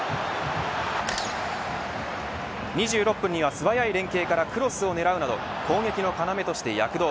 ２６分には素早い連係からクロスを狙うなど攻撃の要として躍動。